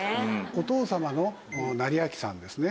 お父様の斉昭さんですね。